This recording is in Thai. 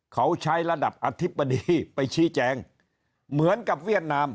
เขาใช้ระดับอธิบดีไปชี้แจงเหมือนกับเวียดนาม